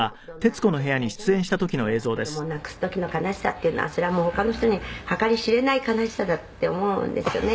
「いつの時代でもどんな状態でも親が子供を亡くす時の悲しさっていうのはそれは他の人に計り知れない悲しさだって思うんですよね」